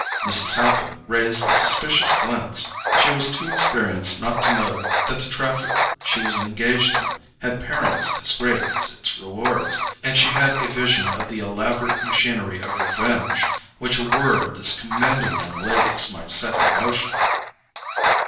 Mrs. Haffen raised a suspicious glance: she was too experienced not to know that the traffic she was engaged in had perils as great as its rewards, and she had a vision of the elaborate machinery of revenge which a word of this commanding young lady's might set in motion.